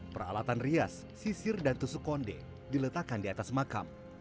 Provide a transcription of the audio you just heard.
peralatan rias sisir dan tusuk konde diletakkan di atas makam